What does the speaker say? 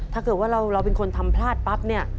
ถ้าเกิดว่าเราเป็นคนทำพลาดปั๊บเนี่ย